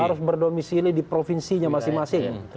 harus berdomisili di provinsinya masing masing